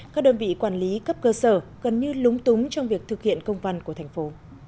các đơn vị quản lý cấp cơ sở gần như lúng túng trong việc thực hiện công văn của thành phố